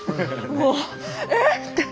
もう「え⁉」って。